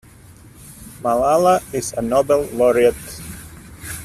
Malala is a Nobel laureate.